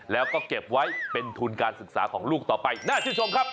แล้วก็เก็บไว้เป็นทุนการศึกษาของลูกต่อไปน่าชื่นชมครับ